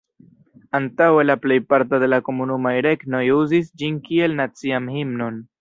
Antaŭe la plejparto de la Komunumaj Regnoj uzis ĝin kiel nacian himnon.